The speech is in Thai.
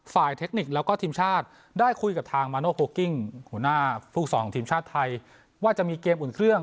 เทคนิคแล้วก็ทีมชาติได้คุยกับทางมาโนโกกิ้งหัวหน้าผู้สอนทีมชาติไทยว่าจะมีเกมอุ่นเครื่อง